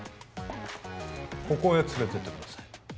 ここへ連れてってください